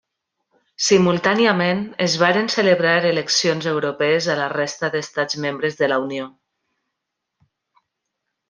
Simultàniament, es varen celebrar eleccions europees a la resta d'estats membres de la Unió.